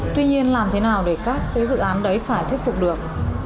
tuy nhiên làm thế nào để các cái dự án đấy phải thuyết phục được